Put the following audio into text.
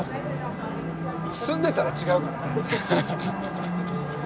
住んでたら違うからね。